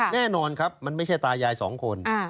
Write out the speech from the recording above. แน่นอนครับมันไม่ใช่ตายายสองคน